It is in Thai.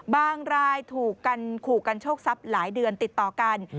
รายถูกกันขู่กันโชคทรัพย์หลายเดือนติดต่อกัน